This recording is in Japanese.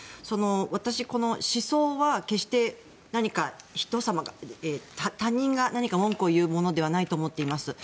私、思想は決して何か人さまが他人が何か文句を言うものではないと思っています。